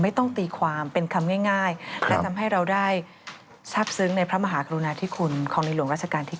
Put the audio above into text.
ตีความเป็นคำง่ายและทำให้เราได้ทราบซึ้งในพระมหากรุณาธิคุณของในหลวงราชการที่๙